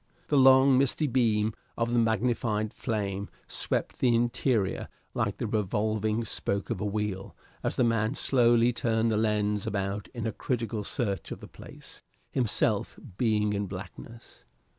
The long, misty beam of the magnified flame swept the interior like the revolving spoke of a wheel as the man slowly turned the lens about in a critical search of the place, himself being in blackness.